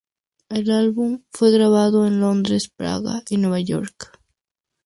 El álbum fue grabado en Londres, Praga y Nueva York.